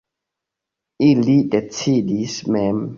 Ili decidis mem.